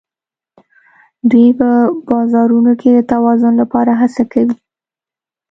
دوی په بازارونو کې د توازن لپاره هڅه کوي